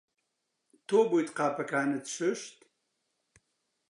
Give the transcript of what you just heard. تۆ بوویت قاپەکانت شوشت؟